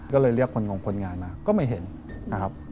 ก็เลยเรียกคนงงคนงานมาก็ไม่เห็นนะครับ